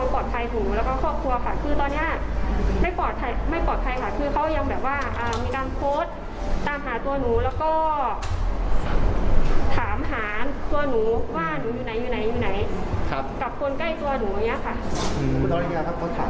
ครูเห็นสากคนสากก็นั่งเล่นโทรศัพท์กัน